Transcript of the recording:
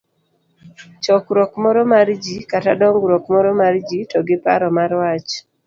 chokruok moro mar ji, kata dongruok moro mar ji, to gi paro mar wach